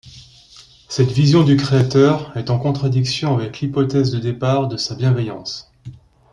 Cette vision du Créateur est en contradiction avec l'hypothèse de départ de sa bienveillance.